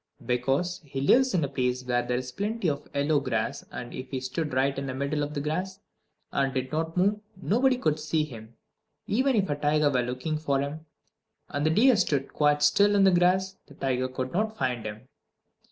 Because he lives in a place where there is plenty of yellow grass; and if he stood right in the middle of the grass, and did not move, nobody could see him. Even if a tiger were looking for him, and the deer stood quite still in the grass, the tiger could not find him.